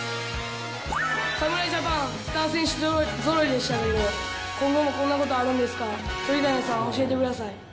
侍ジャパン、スター選手ぞろいでしたけど、今後もこんなことあるんですか、鳥谷さん、教えてください。